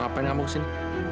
apa yang kamu pusing